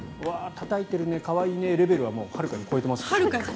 たたいているね可愛いねレベルははるかに超えてますね。